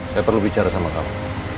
saya perlu bicara sama kamu